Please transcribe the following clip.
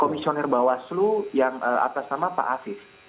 komisioner bawaslu yang atas nama pak afif